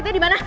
apa yang salah